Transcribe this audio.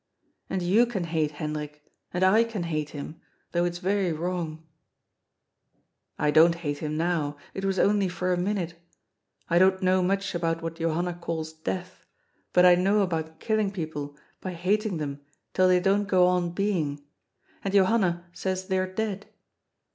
And you can hate Hendrik, and I can hate him, though it's very wrong. I don't hate him now ; it was only for a minute. I don't know much about what Johanna calls " Death," but I know about killing peo ple by hating them till they don't go on being, and Johanna says they're dead.